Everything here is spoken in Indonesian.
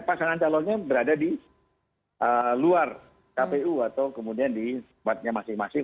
pasangan calonnya berada di luar kpu atau kemudian di tempatnya masing masing